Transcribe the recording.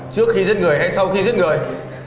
trước khi giết người hay sau khi giết người